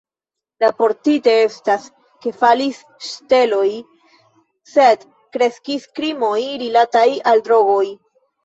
Raportite estas, ke falis ŝteloj sed kreskis krimoj rilataj al drogoj.